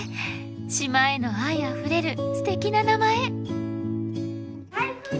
島への愛あふれるすてきな名前！